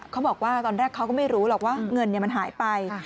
เขาบอกว่าตอนแรกเขาก็ไม่รู้หรอกว่าเงินมันหายไป